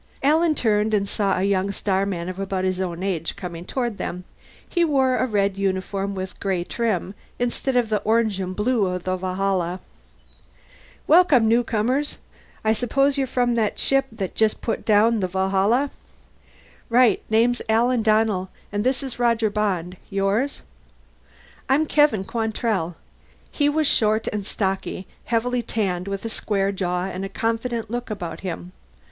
Alan turned and saw a young starman of about his own age coming toward them. He wore a red uniform with gray trim instead of the orange and blue of the Valhalla. "Welcome, newcomers. I suppose you're from that ship that just put down? The Valhalla?" "Right. Name's Alan Donnell, and this is Roger Bond. Yours?" "I'm Kevin Quantrell." He was short and stocky, heavily tanned, with a square jaw and a confident look about him.